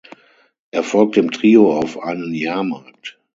Er folgt dem Trio auf einen Jahrmarkt.